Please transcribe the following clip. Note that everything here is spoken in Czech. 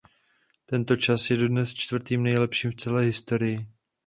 Tento čas je dodnes čtvrtým nejlepším v celé historii.